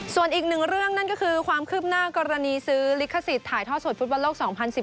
ส่วนอีกหนึ่งเรื่องนั่นก็คือความคืบหน้ากรณีซื้อลิขสิทธิ์ถ่ายทอดสดฟุตบอลโลก๒๐๑๘